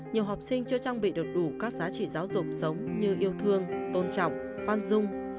nhiều học sinh chưa trang bị được đủ các giá trị giáo dục sống như yêu thương tôn trọng khoan dung